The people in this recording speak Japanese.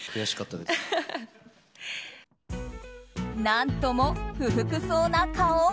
何とも不服そうな顔。